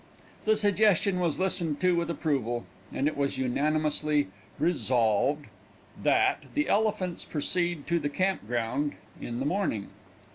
The suggestion was listened to with approval, and it was unanimously Resolved, that the Elephants proceed to the campground in the morning.